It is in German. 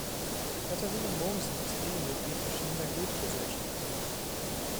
Katharina Mommsen ist Ehrenmitglied verschiedener Goethe-Gesellschaften.